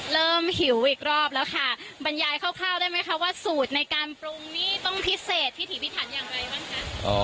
หิวอีกรอบแล้วค่ะบรรยายคร่าวได้ไหมคะว่าสูตรในการปรุงนี่ต้องพิเศษพิถีพิถันอย่างไรบ้างคะ